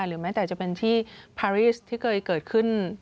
หรือแม้แต่จะเป็นที่พารีสที่เคยเกิดขึ้น